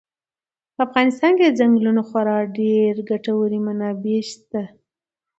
په افغانستان کې د ځنګلونو خورا ډېرې ګټورې منابع شته دي.